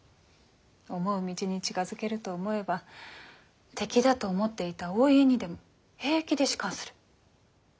思う道に近づけると思えば敵だと思っていたお家にでも平気で仕官する。